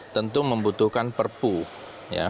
tentu membutuhkan perpu ya